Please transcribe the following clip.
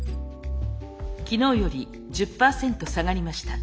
昨日より１０％下がりました。